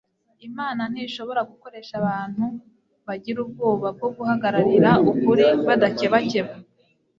Imana ntishobora gukoresha abantu bagira ubwoba bwo guhagararira ukuri badakebakeba